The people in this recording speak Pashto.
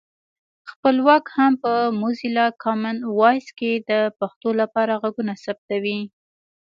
خپلواک هم په موزیلا کامن وایس کې د پښتو لپاره غږونه ثبتوي